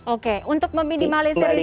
oke untuk meminimalisir resiko